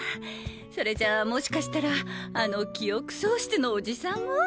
それじゃもしかしたらあの記憶喪失のオジさんも？